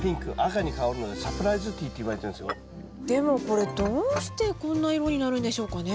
あのねこのようにでもこれどうしてこんな色になるんでしょうかね？